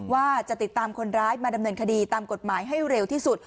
ว่าจะติดตามคนร้ายมาดำเนินคดีตามกฎหมายให้เร็วที่สุด